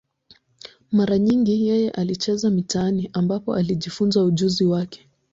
Mara nyingi yeye alicheza mitaani, ambapo alijifunza ujuzi wake.